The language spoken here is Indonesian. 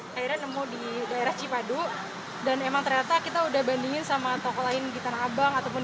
akhirnya nemu di daerah cipadu dan emang ternyata kita udah bandingin sama toko lain di tanah abang ataupun